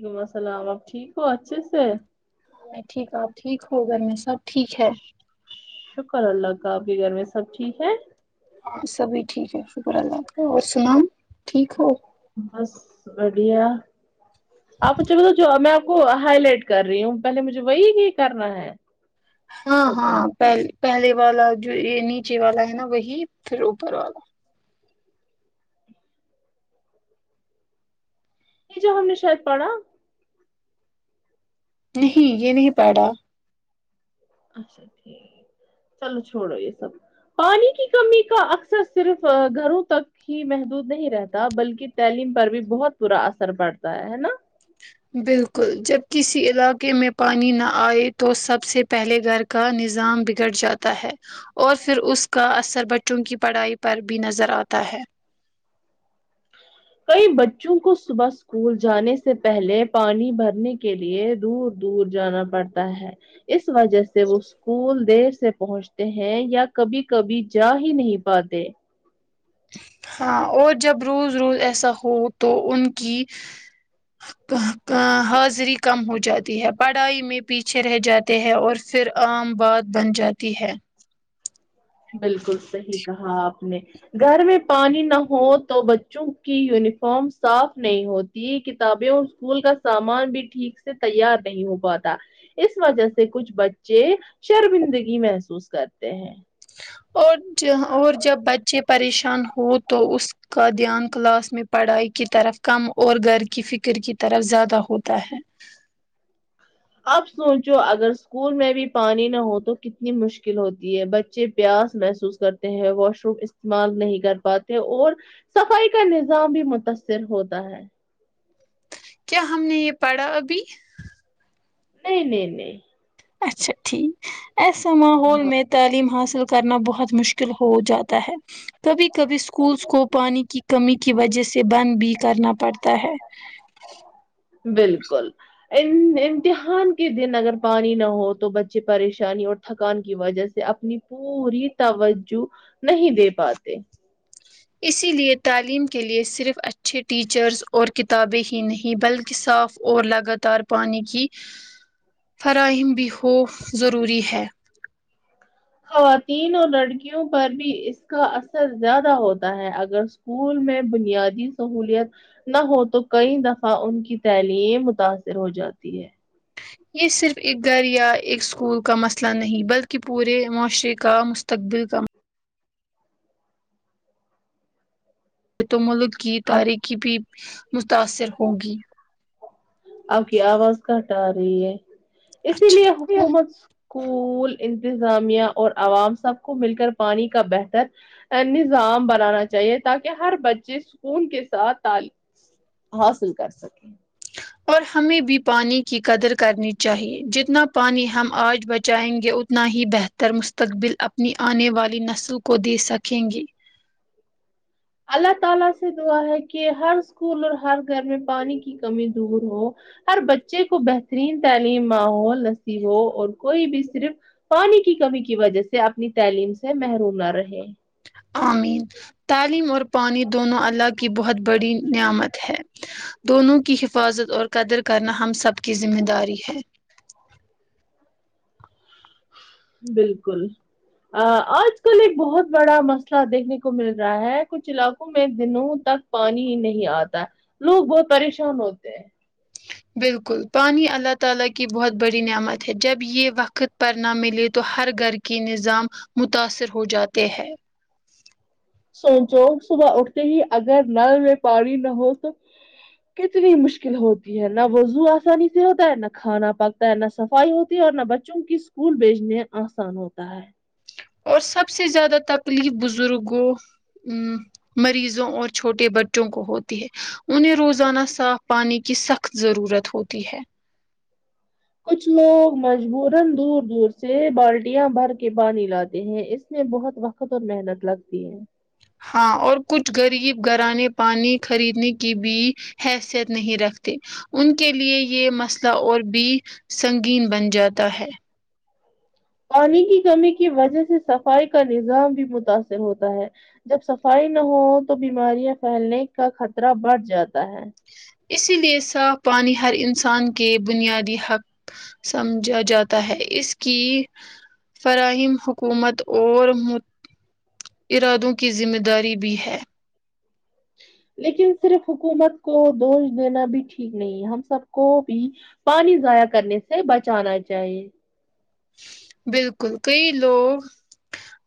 وعلیکم السلام اپ ٹھیک ہو اچھے سے میں ٹھیک آپ ٹھیک ہو گھر میں سب ٹھیک ہے شکر اللہ کا آپ کے گھر میں سب ٹھیک ہے ہاں سبھی ٹھیک ہے شکر اللہ کا اور سناو آپ ٹھیک ہو بس بڑھیا آپ اچھ ب جو میں آپ کو ہائی لائٹ کر رہی ہوں پہلے مجھے وہی ہی کرنا ہے ہاں اوپن ہاں پل پہلے والا جو یہ نیچے والا ہے نا وہی پھر اوپر والا یہ جو ہم نے شاید پڑھا نہیں یہ نہیں پڑھا اچھا ٹھیک چلو چھوڑو یہ سب پانی کی کمی کا اکثر صرف گھروں تک ہی محدود نہیں رہتا بلکہ تعلیم پر بھی بہت برا اثر پڑتا ہے نا بالکل جب کسی علاقے میں پانی نہ آئے تو سب سے پہلے گھر کا نظام بگڑ جاتا ہے اور پھر اس کا اثر بچوں کی پڑھائی پر بھی نظر آتا ہے کئی بچوں کو صبح اسکول جانے سے پہلے پانی بھرنے کے لیے دور دور جانا پڑتا ہے اس وجہ سے وہ اسکول دیر سے پہنچتے ہیں یا کبھی کبھی جا ہی نہیں پاتے ہاں اور جب روز روز ایسا ہو تو ان کی حاضری کم ہو جاتی ہے پڑھائی میں پیچھے رہ جاتے ہے اور پھر عام بات بن جاتی ہے بالکل صحیح کہا آپ نے گھر میں پانی نہ ہو تو بچوں کی یونیفارم صاف نہیں ہوتی کتابیں اور اسکول کا سامان بھی ٹھیک سے تیار نہیں ہو پاتا اس وجہ سے کچھ بچے شرمندگی محسوس کرتے ہیں اور ج اور جب بچے پریشان ہو تو اس کا دھیان کلاس میں پڑھائی کی طرف کم اور گھر کی فکر کی طرف زیادہ ہوتا ہے اب سوچو اگر اسکول میں بھی پانی نہ ہو تو کتنی مشکل ہوتی ہے بچے پیاس محسوس کرتے ہیں واش روم استعمال نہیں کر پاتے اور صفائی کا نظام بھی متاثر ہوتا ہے کیا ہم نے یہ پڑھا ابھی نہیں نہیں نہیں اچھا ٹھیک ایسا ماحول میں تعلیم حاصل کرنا بہت مشکل ہو جاتا ہے کبھی کبھی اسکولس کو پانی کی کمی کی وجہ سے بند بھی کرنا پڑتا ہے بالکل ام امتحان کے دن اگر پانی نہ ہو تو بچے پریشانی اور تھکان کی وجہ سے اپنی پوری توجہ نہیں دے پاتے اسی لیے تعلیم کے لیے صرف اچھے ٹیچرز اور کتابیں ہی نہیں بلکہ صاف اور لگاتار پانی کی فراہم بھی ہو ضروری ہے خواتین اور لڑکیوں پر بھی اس کا اثر زیادہ ہوتا ہے اگر اسکول میں بنیادی سہولیت نہ ہو تو کئی دفعہ ان کی تعلیم متاثر ہو جاتی ہے یہ صرف ایک گھر یا ایک اسکول کا مسئلہ نہیں بلکہ پورے معاشرے کا مستقبل کا تو ملک کی اب تارییکی بھی متاثر ہوگی آپ کی آواز کٹ آ رہی ہے اسی لیے اچھا حکومت اسکول انتظامیہ اور عوام سب کو مل کر پانی کا بہتر نظام بنانا چاہیے تاکہ ہر بچے سکون کے ساتھ تعل حاصل کر سکیں اور ہمیں بھی پانی کی قدر کرنی چاہیے جتنا پانی ہم آج بچائیں گے اتنا اتنا ہی بہتر مستقبل اپنی آنے والی نسلوں کو دے سکیں گے اللہ تعالی سے دعا ہے کہ ہر اسکول اور ہر گھر میں پانی کی کمی دور ہو ہر بچے کو بہترین تعلیم ماحول نصیب ہو اور کوئی بھی صرف پانی کی کمی کی وجہ سے اپنی تعلیم سے محروم نہ رہے آمین تعلیم اور پانی دونوں اللہ کی بہت بڑی نعمت ہے دونوں کی حفاظت اور قدر کرنا ہم سب کی ذمہ داری ہے بالکل آ آج کل ایک بہت بڑا مسئلہ دیکھنے کو مل رہا ہے کچھ علاقوں میں دنوں تک پانی ہی نہیں آتا ہے لوگ بہت پریشان ہوتے ہیں بالکل پانی اللہ تعالی کی بہت بڑی نعمت ہے جب یہ وقت پر نہ ملے تو ہر گھر کی نظام متاثر ہو جاتے ہیں سوچو صبح اٹھتے ہی اگر نل میں پانی نہ ہو تو کتنی مشکل ہوتی ہے نہ وضو آسانی سے ہوتا ہے نہ کھانا پک تا نہ صفائی ہوتی ہے اور نہ بچوں کی اسکول بھیجنے آسان ہوتا ہے اور سب سے زیادہ تکلیف بزرگوں ا مریضوں اور چھوٹے بچوں کو ہوتی ہے انہیں روزانہ صاف پانی کی سخت ضرورت ہوتی ہے کچھ لوگ مجبورن دور دور سے بالٹیاں بھر کے پانی لاتے ہیں اس میں بہت وقت اور محنت لگتی ہے ہاں اور کچھ غریب گھرانے پانی خریدنے کی بھی حیثیت نہیں رکھتے ان کے لیے یہ مسئلہ اور بھی سنگین بن جاتا ہے پانی کی کمی کی وجہ سے صفائی کا نظام بھی متاثر ہوتا ہے جب صفائی نہ ہو تو بیماریاں پھیلنے کا خطرہ بڑھ جاتا ہے اسی لیے صاف پانی ہر انسان کے بنیادی حق سمجھا جاتا ہے اس کی فراہیم حکومت اور ارادوں کی ذمہ داری بھی ہے لیکن صرف حکومت کو دوش دینا بھی ٹھیک نہیں ہے ہم سب کو بھی پانی ضائع کرنے سے بچانا چاہیے بالکل کئی لوگ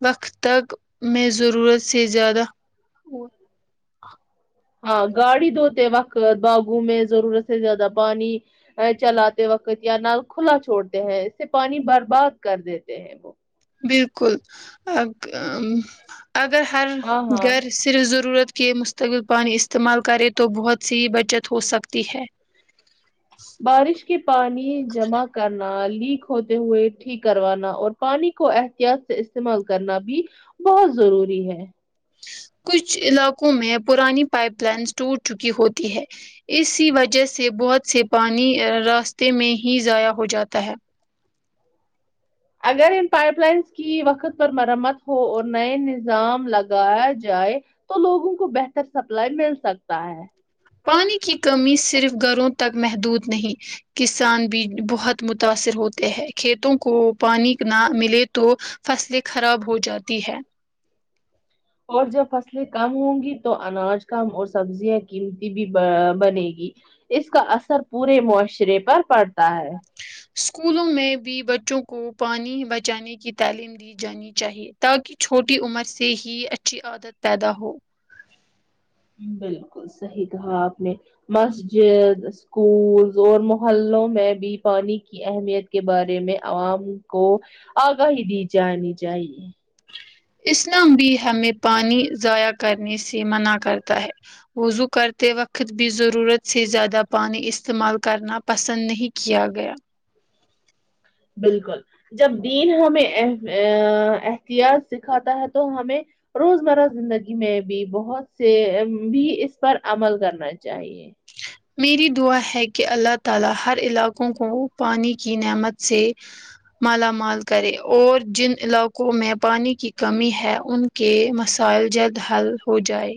وقت تک میں ضرورت سے زیادہ ہاں گاڑی دھوتے وقت باغوں میں ضرورت سے زیادہ پانی چلاتے وقت یا نل کھلا چھوڑتے ہیں اس سے پانی برباد کر دیتے ہیں وہ بالکل ا اگ اگر ہر ہاں ہاں گھر صرف ضرورت کے مستقل پانی استعمال کرے تو بہت سی بچت ہو سکتی ہے بارش کے پانی جمع کرنا لیک ہوتے ہوئے ٹھیک کروانا اور پانی کو احتیاط سے استعمال کرنا بھی بہت ضروری ہے کچھ علاقوں میں پرانی پائپ لائنس ٹوٹ چکی ہوتی ہے اسی وجہ سے بہت سے پانی راستے میں ہی ضائع ہو جاتا ہے اگر ان پائپ لائنس کی وقت پر مرمت ہو اور نئے نظام لگایا جائے تو لوگوں کو بہتر سپلائی مل سکتا ہے پانی کی کمی صرف گھروں تک محدود نہیں کسان بھی بہت متاثر ہوتے ہیں کھیتوں کو پانی نہ ملے تو فصلیں خراب ہو جاتی ہے اور جب فصلیں کم ہوں گی تو اناج کم اور سبزیاں قیمتی بھی بنے گی اس کا اثر پورے معاشرے پر پڑتا ہے اسکولوں میں بھی بچوں کو پانی بچانے کی تعلیم دی جانی چاہیے تاکہ چھوٹی عمر سے ہی اچھی عادت پیدا ہو بالکل صحیح کہا آپ نے مسجد اسکول اور محلوں میں بھی پانی کی کی اہمیت کے بارے میں عوام کو آگاہی دی جانی چاہیے اسلام بھی ہمیں پانی ضائع کرنے سے منع کرتا ہے وضو کرتے وقت بھی ضرورت سے زیادہ پانی استعمال کرنا پسند نہیں کیا گیا بالکل جب دین ہمیں ا اے احتیاط سکھاتا ہے تو ہمیں روزمرہ زندگی میں بھی بہت سے بھی اس پر عمل کرنا چاہیے میری دعا ہے کہ اللہ تعالی ہر علاقوں کو پانی کی نعمت سے مالا مال کرے اور جن علاقوں میں پانی کی کمی ہے ان کہ مسائل جلد حل ہو جائے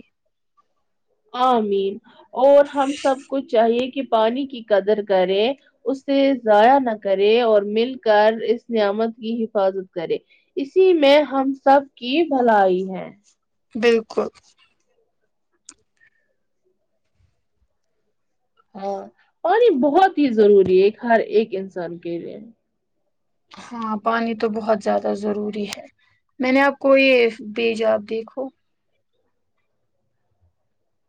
آمین اور ہم سب کو چاہیے کہ پانی کی قدر کریں اسے ضائع نہ کرے اور مل کر اس نعمت کی حفاظت کرے اسی میں ہم سب کی بھلائی ہے بالکل ہاں پانی بہت ہی ضروری ہے ہر ایک انسان کے لیے ہاں پانی تو بہت زیادہ ضروری ہے میں نے آپ کو یہ بھیجا آپ دیکھو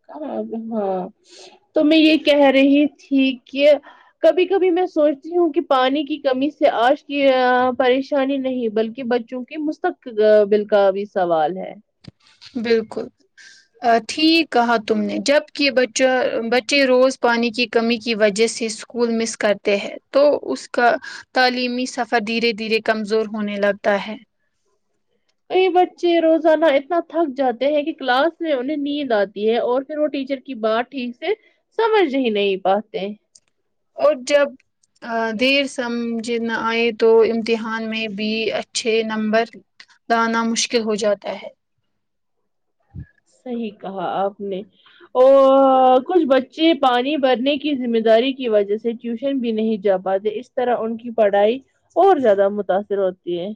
ہاں تو میں یہ کہہ رہی تھی کہ کبھی کبھی میں سوچتی ہوں کہ پانی کی کمی سے آج کی پریشانی نہیں بلکہ بچوں کہ مستقبل کا بھی سوال ہے بالکل ٹھیک کہا تم نے جب کہ بچہ بچے روز پانی کی کمی کی وجہ سے اسکول مس کرتے ہیں تو اس کا تعلیمی سفر دھیرے دھیرے کمزور ہونے لگتا ہے یہ بچے روزانہ اتنا تھک جاتے ہیں کہ کلاس میں انہیں نیند آتی ہے اور پھر وہ ٹیچر کی بات ٹھیک سے سمجھ ہی نہیں پاتے اور جب دیر سمجھ نہ آئے تو امتحان میں بھی اچھے نمبر لانا مشکل ہو جاتا ہے صحیح کہا آپ نے اور کچھ بچے پانی بھرنے کی ذمہ داری کی وجہ سے ٹیوشن بھی نہیں جا پاتے اس طرح ان کی پڑھائی اور زیادہ متاثر ہوتی ہے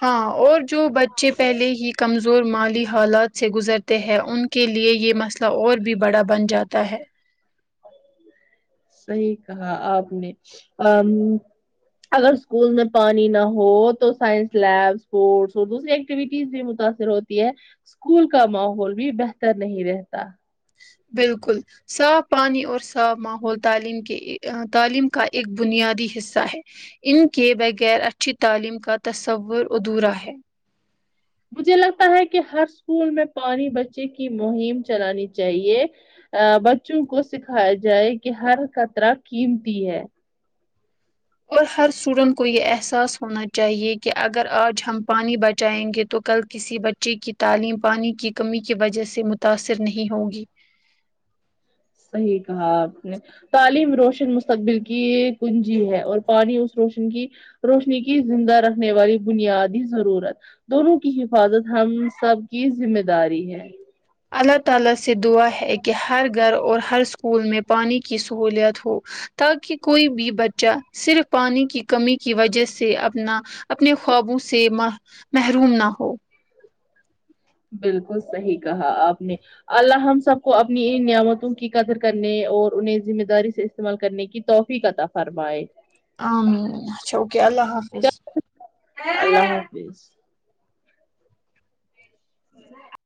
ہاں اور جو بچے پہلے ہی کمزور مالی حالات سے گزرتے ہیں ان کے لیے یہ مسئلہ اور بھی بڑا بن جاتا ہے صحیح کہا آپ نے ام اگر اسکول میں پانی نہ ہو تو سائنس لیب اسپورٹس اور دوسری ایکٹیوٹیز بھی متاثر ہوتی ہے اسکول کا ماحول بھی بہتر نہیں رہتا بالکل صاف پانی اور صاف ماحول تعلیم کے تعلیم کا ایک بنیادی حصہ ہے ان کے بغیر اچھی تعلیم کا تصور ادھورا ہے مجھے لگتا ہے کہ ہر اسکول میں پانی بچے کی مہم چلانی چاہیے ا بچوں کو سکھایا جائے کہ ہر قطرہ قیمتی ہے اور ہر اسٹوڈینٹ کو یہ احساس ہونا چاہیے کہ اگر آج ہم پانی بچائیں گے تو کل کسی بچ ے کی تعلیم پانی کی کمی کی وجہ سے متاثر نہیں ہوگی صحیح کہا آپ نے تعلیم روشن مستقبل کی کنجی ہے اور پانی اس روشن کی روشنی کی زندہ رکھنے والی بنیادی ضرورت دونوں کی حفاظت ہم سب کی ذمہ داری ہے اللہ تعالی سے دعا ہے کہ ہر گھر اور ہر اسکول میں پانی کی سہولیت ہو تاکہ کوئی بھی بچہ صرف پانی کی کمی کی وجہ سے اپنا اپنے خوابوں سے مح محروم نہ ہو بالکل صحیح کہا آپ نے اللہ ہم سب کو اپنی ان نعمتوں کی قدر کرنے اور انہیں ذمہ داری سے استعمال کرنے کی توفیق عطا فرماے امین اچھا اوکے اللہ حافظ اللہ حافظ ہ